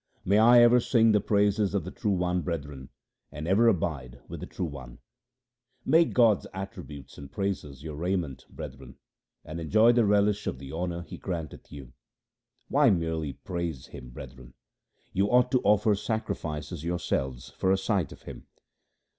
May I ever sing the praises of the True One, brethren, and ever abide with the True One ! Make God's attributes and praises your raiment, brethren, and enjoy the relish of the honour He granteth you. Why merely praise Him, brethren ? You ought to offer sacrifices yourselves for a sight of Him.